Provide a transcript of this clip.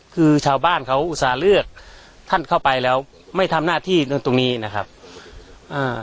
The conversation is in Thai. คือชาวบ้านเขาอุตส่าห์เลือกท่านเข้าไปแล้วไม่ทำหน้าที่เรื่องตรงนี้นะครับอ่า